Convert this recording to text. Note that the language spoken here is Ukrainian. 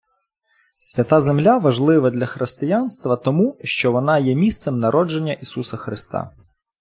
Свята Земля важлива для Християнства тому, що вона є місцем народження Ісуса Христа.